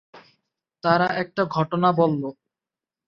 তারা একটা ঘটনা বলল।